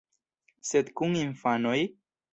Sed kun infanoj?